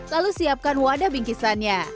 lalu siapkan wadah bingkisannya